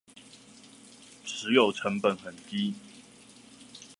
持有成本很低